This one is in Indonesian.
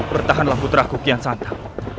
bertahanlah putraku kian santang